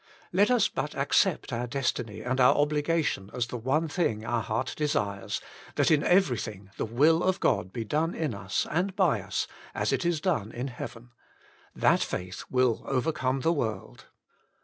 Let us but accept our destiny and our obligation as the one lo8 The Inner Chamber thing our heart desires, that in everything the will of God be done in ns and by ns, as it is done in heaven; that Jaith will overcome the world.